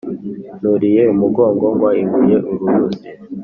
Nuriye umugongo ngwa ibuye-Uruyuzi.